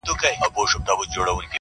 نه خوړلي نه لیدلي پوروړي٫